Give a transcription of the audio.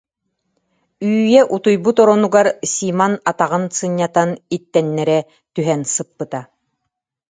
Үүйэ утуйбут оронугар Симон атаҕын сынньатан, иттэннэрэ түһэн сыппыта.